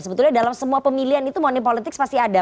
sebetulnya dalam semua pemilihan itu money politics pasti ada